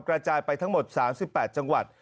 กระจายไปทั้งหมด๓๘จังหวัด